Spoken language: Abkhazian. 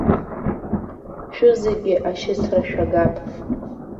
Шәызегьы ашьыцра шәагап.